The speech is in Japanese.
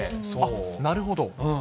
なるほど。